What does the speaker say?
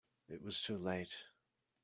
It was too late.